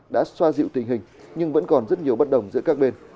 đã xoa dịu tình hình nhưng vẫn còn rất nhiều bất đồng giữa các bên